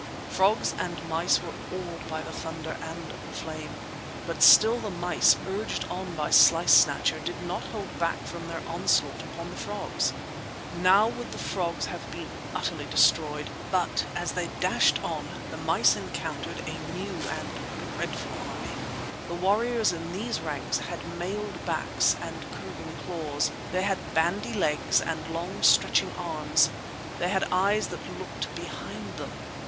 Frogs and mice were awed by the thunder and the flame. But still the mice, urged on by Slice Snatcher, did not hold back from their onslaught upon the frogs. Now would the frogs have been utterly destroyed; but, as they dashed on, the mice encountered a new and a dreadful army. The warriors in these ranks had mailed backs and curving claws. They had bandy legs and long stretching arms. They had eyes that looked behind them.